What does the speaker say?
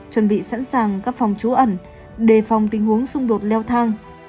chuẩn bị sẵn sàng các phòng trú ẩn đề phòng tình huống xung đột leo thang